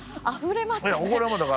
あふれてますね。